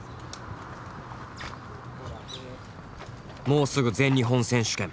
もうすぐ全日本選手権。